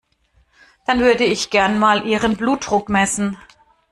Dann würde ich gerne mal Ihren Blutdruck messen.